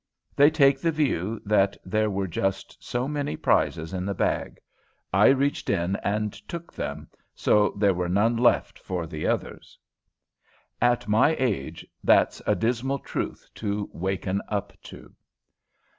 They take the view that there were just so many prizes in the bag; I reached in and took them, so there were none left for the others. At my age, that's a dismal truth to waken up to."